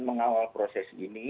mengawal proses ini